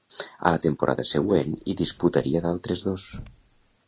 A la temporada següent hi disputaria d'altres dos.